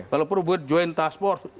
kalau perlu buat join task force